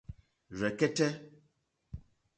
Rzɛ̀kɛ́tɛ́.